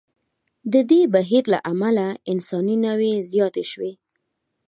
د دې بهیر له امله انساني نوعې زیاتې شوې.